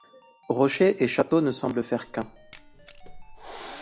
Rocher et château ne semblent faire qu'un.